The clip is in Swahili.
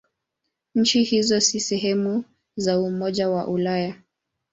Nchi hizo si sehemu za Umoja wa Ulaya.